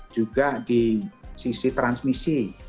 juga di sisi transmisi